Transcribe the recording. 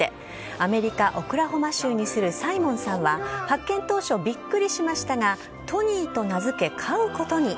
アメリカ・オクラホマ州に住むサイモンさんは、発見当初、びっくりしましたが、トニーと名付け、飼うことに。